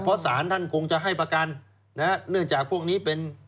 เพราะสารท่านคงจะให้ประกันนะฮะเนื่องจากพวกนี้เป็น